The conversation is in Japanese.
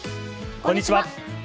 こんにちは。